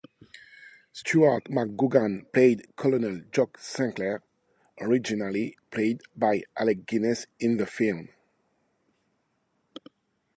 Stuart McGugan played Colonel Jock Sinclair, originally played by Alec Guinness in the film.